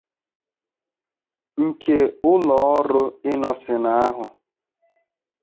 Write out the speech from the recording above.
nke ụlọọrụ innoson ahụ.